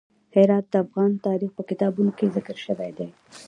هرات د افغان تاریخ په کتابونو کې ذکر شوی دي.